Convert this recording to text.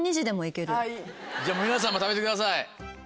じゃあ皆さんも食べてください。